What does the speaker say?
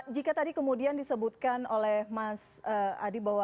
jika tadi kemudian disebutkan oleh mas adi bahwa